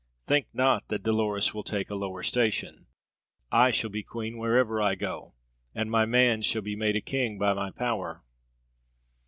Think not that Dolores will take a lower station. I shall be queen wherever I go, and my man shall be made a king by my power.